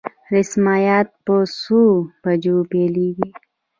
رسميات په څو بجو پیلیږي؟